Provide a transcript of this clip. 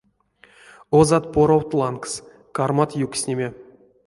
Озат поровт лангс, кармат юкснеме.